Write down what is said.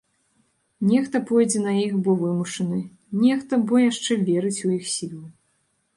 Нехта пойдзе на іх бо вымушаны, нехта бо яшчэ верыць у іх сілу.